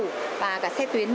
và xe tuyến nữa